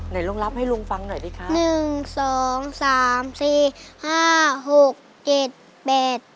หน่อยลงรับให้ลุงฟังหน่อยดิครับ